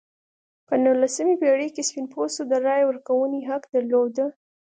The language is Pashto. په نولسمې پېړۍ کې سپین پوستو د رایې ورکونې حق درلود.